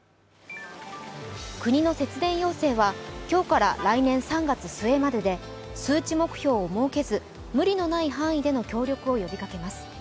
国の節電要請は今日から来年３月末までで数値目標を設けず無理のない範囲での協力を呼びかけます。